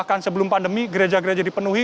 sehingga sejak pandemi gereja gereja dipenuhi